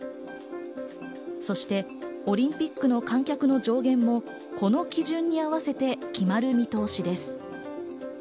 そしてオリンピックの観客の上限もこの基準に合わせて決まる見通しです。